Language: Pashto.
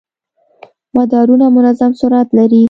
مدارونه منظم سرعت لري.